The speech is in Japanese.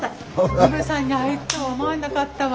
鶴瓶さんに会えるとは思わなかったわ。